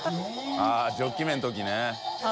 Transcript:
あっジョッキ麺のときね。